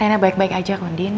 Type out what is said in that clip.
rena baik baik aja kondin